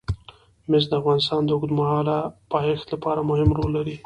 مس د افغانستان د اوږدمهاله پایښت لپاره مهم رول لري.